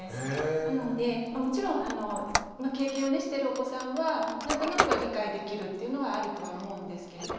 なのでもちろん経験をしてるお子さんは何となくは理解できるっていうのはあるとは思うんですけれども。